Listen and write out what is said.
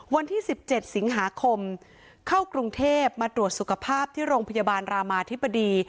วันที่๑๗สิงหาคมเข้ากรุงเทพมาตรวจสุขภาพที่โรงพยาบาลรามาธิบดี